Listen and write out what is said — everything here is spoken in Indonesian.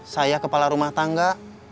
saya kepala rumah tangga